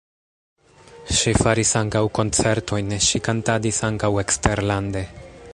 Ŝi faris ankaŭ koncertojn, ŝi kantadis ankaŭ eksterlande.